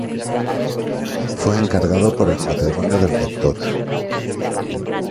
Fue encargado por el matrimonio del Dr.